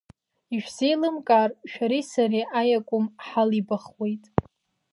Ишәзеилымкаар, шәареи сареи аиакәым ҳалибахуеит!